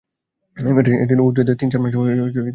এটি ছিল উহুদ যুদ্ধের তিন-চার মাস পরের এক ঘটনা।